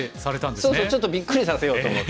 そうそうちょっとびっくりさせようと思って。